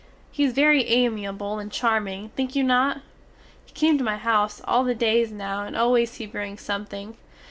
He is very amiable and charming, think you not? He come to my house all the days now and always he bring something.